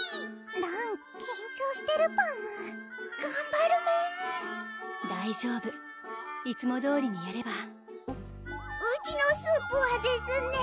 らん緊張してるパムがんばるメン大丈夫いつもどおりにやればうちのスープはですね